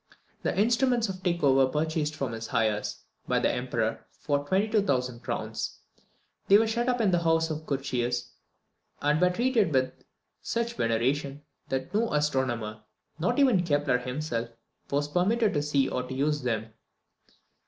The instruments of Tycho were purchased from his heirs, by the Emperor, for 22,000 crowns. They were shut up in the house of Curtius, and were treated with such veneration, that no astronomer, not even Kepler himself, was permitted to see or to use them.